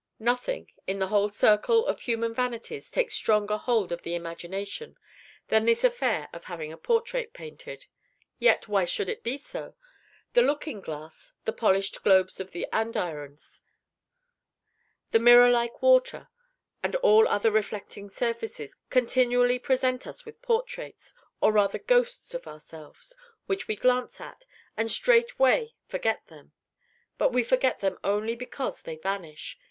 Nothing, in the whole circle of human vanities, takes stronger hold of the imagination than this affair of having a portrait painted. Yet why should it be so? The looking glass, the polished globes of the andirons, the mirror like water, and all other reflecting surfaces, continually present us with portraits, or rather ghosts, of ourselves, which we glance at, and straightway forget them. But we forget them only because they vanish.